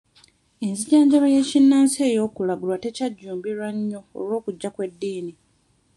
Enzijanjaba y'ekinnansi ey'okulagulwa tekyajjumbirwa nnyo olw'okujja kw'eddiini.